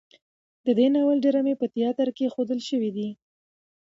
د دې ناول ډرامې په تیاتر کې ښودل شوي دي.